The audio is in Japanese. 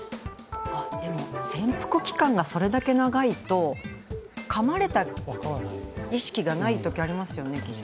潜伏期間がそれだけ長いとかまれた意識がないときありますよね。